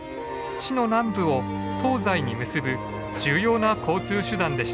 市の南部を東西に結ぶ重要な交通手段でした。